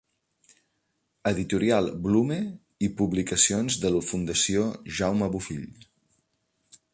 Editorial Blume i Publicacions de la Fundació Jaume Bofill.